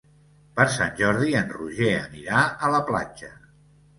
Per Sant Jordi en Roger anirà a la platja.